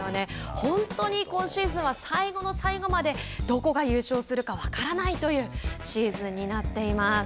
本当に、今シーズンは最後の最後までどこが優勝するか分からないというシーズンになっています。